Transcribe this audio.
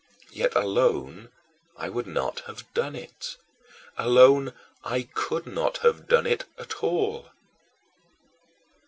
Yet alone I would not have done it alone I could not have done it at all.